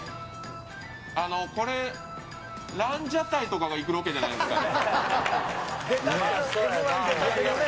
これ、ランジャタイとかが行くロケじゃないですかね？